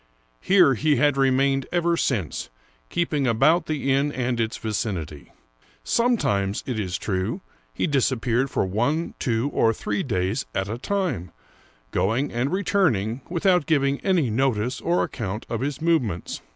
Here he had remained ever since, keeping about the inn and its vicinity. Sometimes, it is true, he disap peared for one, two, or three days at a time, going and re turning without giving any notice or account of his move ments.